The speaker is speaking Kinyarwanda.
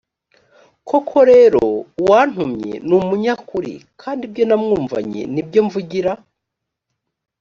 koko rero uwantumye ni umunyakuri kandi ibyo namwumvanye ni byo mvugira